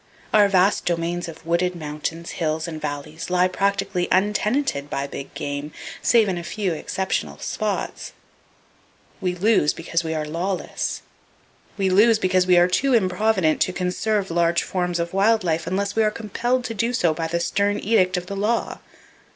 Our vast domains of wooded mountains, hills and valleys lie practically untenanted by big game, save in a few exceptional spots. We lose because we are lawless. We lose because we are too improvident to conserve large forms of wild life unless we are compelled to do so by the stern edict of the law!